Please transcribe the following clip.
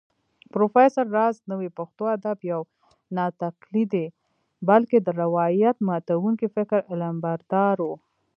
پروفېسر راز نوې پښتو ادب يو ناتقليدي بلکې د روايت ماتونکي فکر علمبردار و